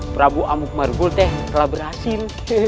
prabu amuk marbul teh telah berhasil